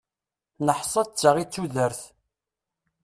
Neḥsa d ta i tudert.